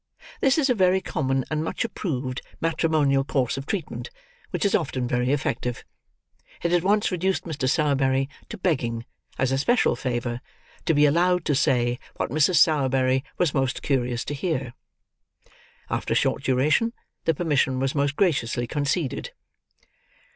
This is a very common and much approved matrimonial course of treatment, which is often very effective. It at once reduced Mr. Sowerberry to begging, as a special favour, to be allowed to say what Mrs. Sowerberry was most curious to hear. After a short duration, the permission was most graciously conceded.